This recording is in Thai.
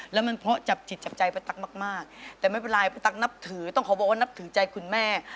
แล้วมันเพราะจับจิตจับใจป้าตั๊กมากแต่ไม่เป็นไรป้าตั๊กนับถือต้องขอบอกว่านับถือใจคุณแม่